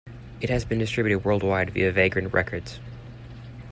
It has been distributed worldwide via Vagrant Records.